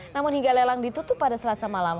namun hingga lelang ditutup pada selasa malam